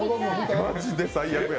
マジで最悪や。